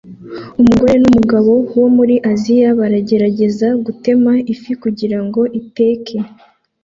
Umugore numugabo wo muri Aziya baragerageza gutema ifi kugirango iteke